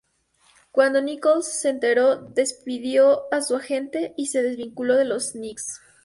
Cuando Nichols se enteró, despidió a su agente y se desvinculó de los Knicks.